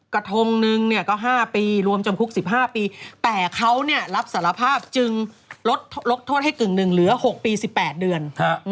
กระทงนึงก็๕ปีรวมจำคุก๑๕ปีแต่เขารับสารภาพจึงลดโทษให้กึ่งหนึ่งเหลือ๖ปี๑๘เดือน